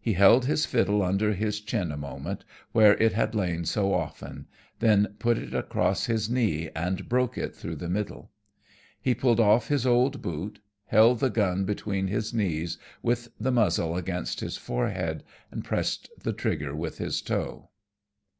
He held his fiddle under his chin a moment, where it had lain so often, then put it across his knee and broke it through the middle. He pulled off his old boot, held the gun between his knees with the muzzle against his forehead, and pressed the trigger with his toe.